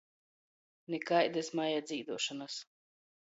Nikaidys maja dzīduošonys.